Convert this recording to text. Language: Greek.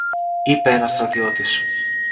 είπε ένας στρατιώτης.